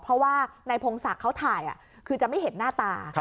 เพราะว่านายพงศักดิ์เขาถ่ายคือจะไม่เห็นหน้าตา